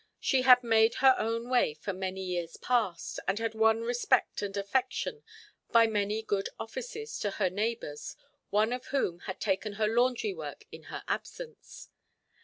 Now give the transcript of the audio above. She had made her own way for many years past, and had won respect and affection by many good offices to her neighbours, one of whom had taken her laundry work in her absence.